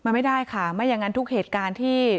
มันไม่ได้ค่ะไม่อย่างนั้นทุกเหตุการณ์ที่